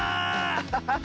アハハハ！